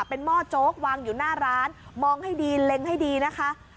เป็นหม้อโจ๊กวางอยู่หน้าร้านมองให้ดีเล็งให้ดีนะคะ